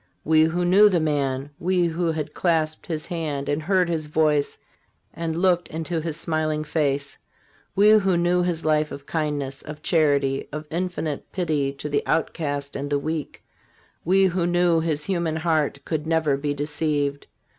We who knew the man, we who had clasped his hand and heard his voice and looked into his smiling face ; we who knew his life of kindness, of charity, of infinite pity to the outcast and the weak; we who knew his human heart, could never be deceived.